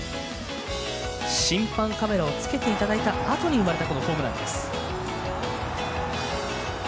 審判カメラをつけていただいたあとに生まれたホームランです。